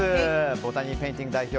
ボタニーペインティング代表